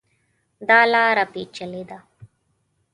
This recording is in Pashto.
دا لاره پېچلې ده.